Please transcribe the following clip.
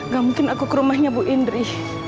gak mungkin aku ke rumahnya bu indri